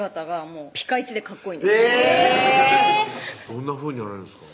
どんなふうにやられるんですか？